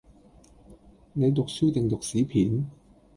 你讀書定讀屎片？